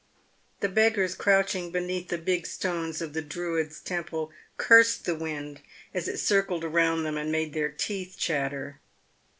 The beggars crouching beneath the big stones of the Druids' temple cursed the wind as it circled around them and made their teeth chatter.